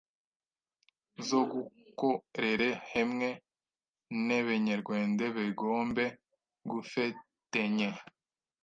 zo gukorere hemwe n,benyerwende begombe gufetenye,